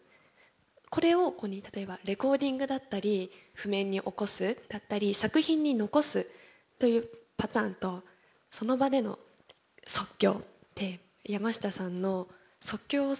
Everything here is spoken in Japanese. これを例えばレコーディングだったり譜面に起こすだったり作品に残すというパターンとその場での即興って山下さんの即興をし続ける